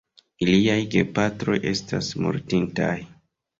Iliaj gepatroj estas mortintaj.